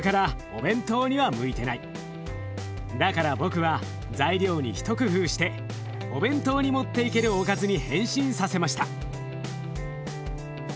だから僕は材料に一工夫してお弁当に持っていけるおかずに変身させました。